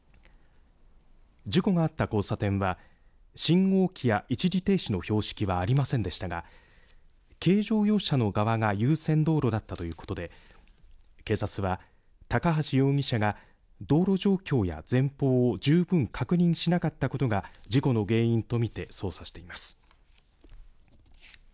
事故があった交差点は信号機や一時停止の標識はありませんでしたが軽乗用車の側が優先道路だったということで警察は、高橋容疑者が道路状況や前方を十分確認しなかったことが事故の原因とみて捜査しています。